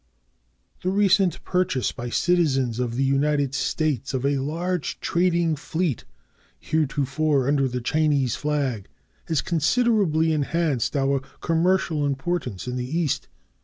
The recent purchase by citizens of the United States of a large trading fleet heretofore under the Chinese flag has considerably enhanced our commercial importance in the East.